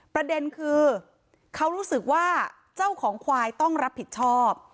ประเด็นคือเขารู้สึกว่าเจ้าของควายต้องรับผิดชอบ